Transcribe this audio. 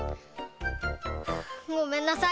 ごめんなさい！